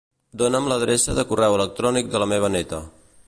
Dona'm l'adreça de correu electrònic de la meva neta.